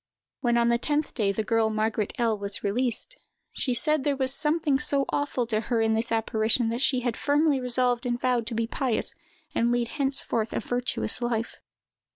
When on the tenth day the girl Margaret L—— was released, she said that there was something so awful to her in this apparition, that she had firmly resolved and vowed to be pious and lead henceforth a virtuous life.